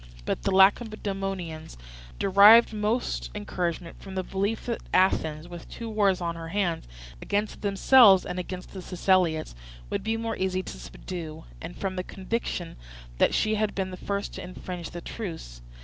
But the Lacedaemonians derived most encouragement from the belief that Athens, with two wars on her hands, against themselves and against the Siceliots, would be more easy to subdue, and from the conviction that she had been the first to infringe the truce.